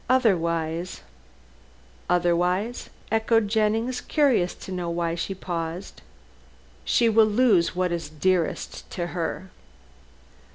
Otherwise " "Otherwise," echoed Jennings, curious to know why she paused. "She will lose what is dearest to her."